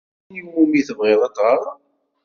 Tella tin i wumi tebɣiḍ ad teɣṛeḍ?